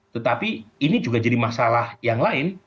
tetapi ini juga jadi masalah yang lain